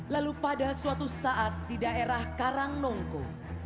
lalu pada suatu saat di daerah karangnongku